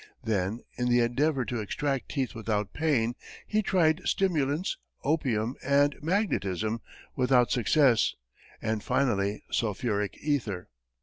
Then, in the endeavor to extract teeth without pain, he tried stimulants, opium and magnetism without success, and finally sulphuric ether.